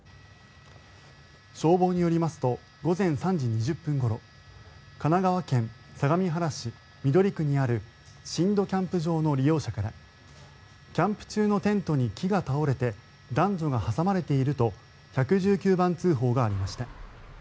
消防によりますと午前３時２０分ごろ神奈川県相模原市緑区にある新戸キャンプ場の利用者からキャンプ中のテントに木が倒れて男女が挟まれていると１１９番通報がありました。